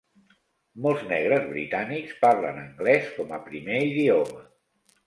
Molts negres britànics parlen anglès com a primer idioma.